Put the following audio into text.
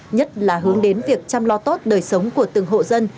nhất là hướng đến việc chăm lo tốt đời sống của từng hộ dân